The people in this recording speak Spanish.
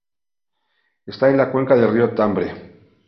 Está en la cuenca del río Tambre.